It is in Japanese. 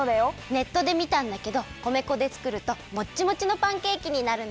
ネットでみたんだけど米粉でつくるともっちもちのパンケーキになるんだって。